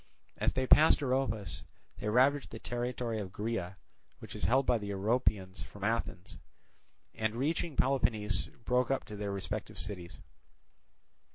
As they passed Oropus they ravaged the territory of Graea, which is held by the Oropians from Athens, and reaching Peloponnese broke up to their respective cities.